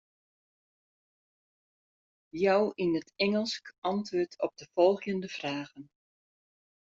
Jou yn it Ingelsk antwurd op de folgjende fragen.